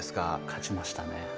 勝ちましたね。